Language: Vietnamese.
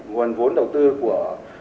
nguồn vốn đầu tư của